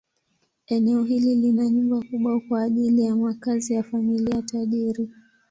Eneo hili lina nyumba kubwa kwa ajili ya makazi ya familia tajiri.